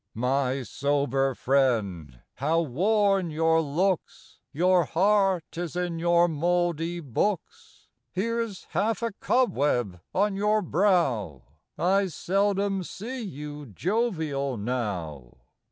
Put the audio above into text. My sober friend, how worn your looks ! Your heart is in your mouldy books. Here 's half a cobweb on your brow ! I seldom see you jovial now.